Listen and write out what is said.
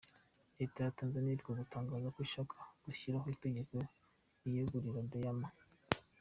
Leta ya Tanzania iheruka gutangaza ko ishaka gushyiraho itegeko riyegurira diamant.